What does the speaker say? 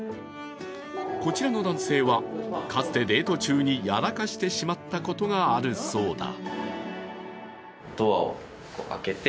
こちらの男性はかつてデート中にやらかしてしまったことがあるそうだ。